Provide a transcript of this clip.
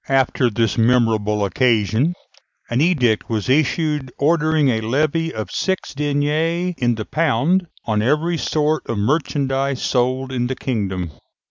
After this memorable occasion an edict was issued ordering a levy of six deniers in the pound on every sort of merchandise sold in the kingdom.